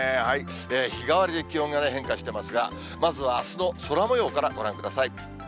日替わりで気温が変化してますが、まずはあすの空もようからご覧ください。